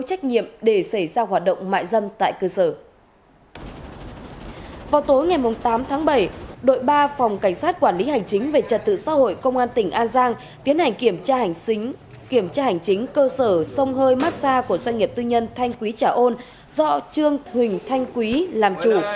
các phòng cảnh sát quản lý hành chính về trật tự xã hội công an tỉnh an giang tiến hành kiểm tra hành chính cơ sở sông hơi mát xa của doanh nghiệp tư nhân thanh quý trả ôn do trương huỳnh thanh quý làm chủ